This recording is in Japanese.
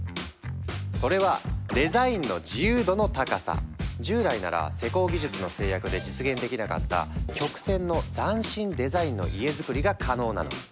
それは従来なら施工技術の制約で実現できなかった曲線の斬新デザインの家づくりが可能なの！